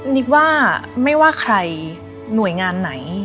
นิดว่าไม่ว่าใครหน่วยงานไหน